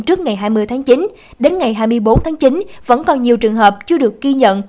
trước ngày hai mươi tháng chín đến ngày hai mươi bốn tháng chín vẫn còn nhiều trường hợp chưa được ghi nhận